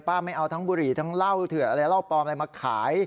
ไม่เอาทั้งบุหรี่ทั้งเหล้าเถื่อนอะไรเหล้าปลอมอะไรมาขาย